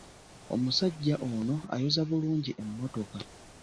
Omusajja ono ayoza bulungi emmotoka.